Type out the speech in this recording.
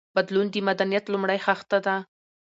بدلون د مدنيت لومړۍ خښته ده.